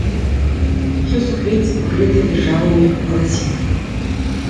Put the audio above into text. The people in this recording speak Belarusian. Усё суквецце пакрыта іржавымі валасінкамі.